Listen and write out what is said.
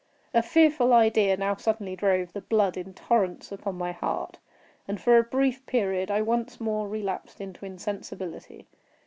A fearful idea now suddenly drove the blood in torrents upon my heart, and for a brief period, I once more relapsed into insensibility.